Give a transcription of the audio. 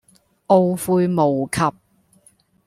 懊悔無及